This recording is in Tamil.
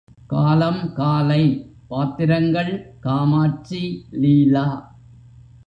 காலம் காலை பாத்திரங்கள் காமாட்சி, லீலா.